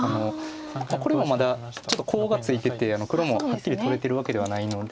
これもまだちょっとコウがついてて黒もはっきり取れてるわけではないので。